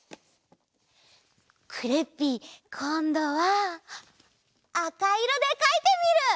クレッピーこんどはあかいろでかいてみる！